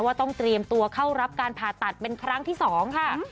ว่าต้องเตรียมตัวเข้ารับการผ่าตัดเป็นครั้งที่๒ค่ะ